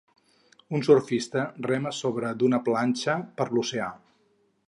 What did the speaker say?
Un surfista rema a sobra d'una planxa per l'oceà.